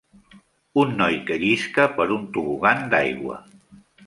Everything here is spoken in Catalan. Un noi que llisca per un tobogan d'aigua.